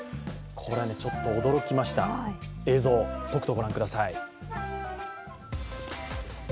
これはねちょっと驚きました、映像、とくとご覧ください。